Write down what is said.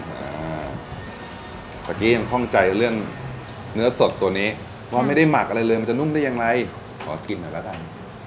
เมื่อกี้ยังคล่องใจเรื่องเนื้อสดตัวนี้เพราะไม่ได้หมักอะไรเลยมันจะนุ่มได้อย่างไรขอกินหน่อยแล้วกัน